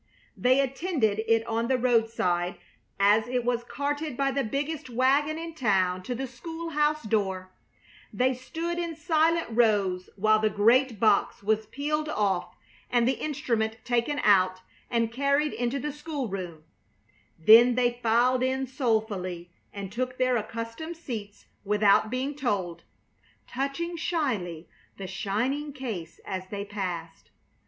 They attended it on the roadside as it was carted by the biggest wagon in town to the school house door; they stood in silent rows while the great box was peeled off and the instrument taken out and carried into the school room; then they filed in soulfully and took their accustomed seats without being told, touching shyly the shining case as they passed.